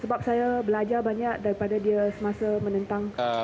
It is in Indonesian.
sebab saya belajar banyak daripada dia semasa menentang